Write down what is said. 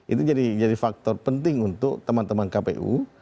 itu jadi faktor penting untuk teman teman kpu